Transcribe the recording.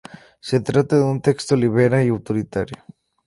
Se trata de un texto libera y autoritario.